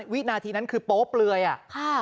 วินาทีนั้นคือโป๊บเลยอ่ะ